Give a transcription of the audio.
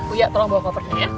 uya tolong bawa kopernya ya